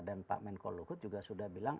dan pak menko luhut juga sudah bilang